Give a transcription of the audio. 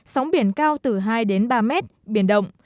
sóng biển cao từ hai ba m biển đông